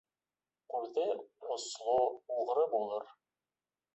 Күҙе осло уғры булыр.